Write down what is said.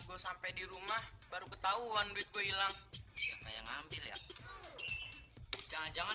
gue sampai di rumah baru ketahuan duit gue hilang siapa yang ngambil ya jangan jangan